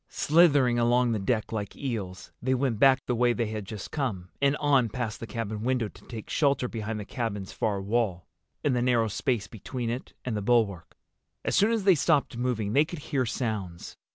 Slithering along the deck like eels, they went back the way they had just come, and on past the cabin window to take shelter behind the cabin's far wall, in the narrow space between it and the bulwark. As soon as they stopped moving they could hear sounds.